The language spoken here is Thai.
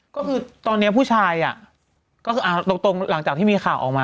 ก็คือตอนนี้ผู้ชายก็คือตรงหลังจากที่มีข่าวออกมา